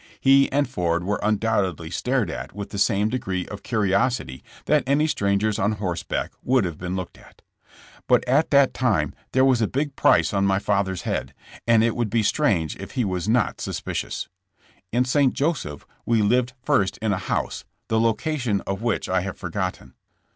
He and Ford were undoubtedly stared at with the same degree of curiosity that any strangers on horseback would have been looked at. But at that time there was a big price on my father's head, and it would be strange if he was not suspicious. In St. Joseph we lived first in a house, the location of which I have forgotten.